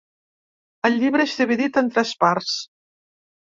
El llibre és dividit en tres parts.